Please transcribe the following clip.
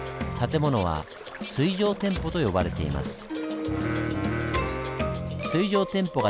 建物は「水上店舗」と呼ばれています。